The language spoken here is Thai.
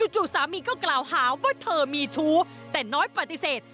จู่สามีก็กล่าวหาว่าเธอมีชู้แต่น้อยปฏิเสธ